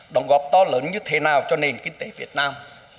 đóng góp to lớn như thế nào cho nền kinh tế việt nam